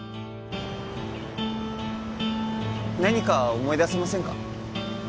何か思い出せませんか？